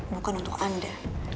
bukan untuk anda